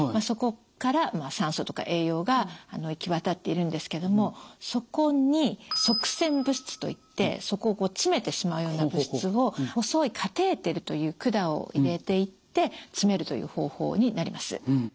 そこから酸素とか栄養が行き渡っているんですけどもそこに塞栓物質といってそこを詰めてしまうような物質を細いカテーテルという管を入れていって詰めるという方法になります。